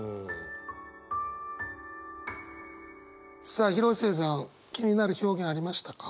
さあ広末さん気になる表現ありましたか？